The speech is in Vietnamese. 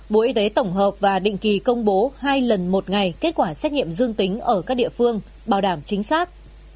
bộ y tế tổng hợp và định kỳ công bố hai lần một ngày kết quả xét nghiệm dương tính ở các địa phương bảo đảm chính xác